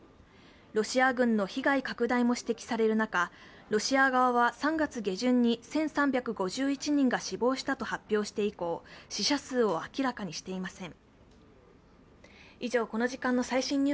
ロシア軍の被害拡大も指摘される中、ロシア側は３月下旬に１３５１人が死亡したと発表して以降、死者数を明らかにしていません。